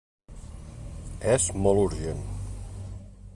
És molt urgent.